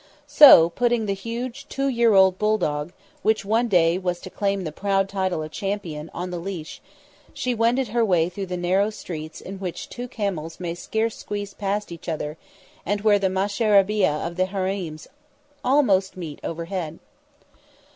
So, putting the huge two year old bulldog, which one day was to claim the proud title of champion, on the leash, she wended her way through the narrow streets in which two camels may scarce squeeze past each other and where the masharabeyeh of the harems almost meet overhead.